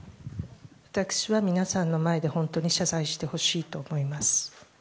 私は皆さんの前で謝罪してほしいと思います。